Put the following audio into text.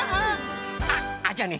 あっじゃあね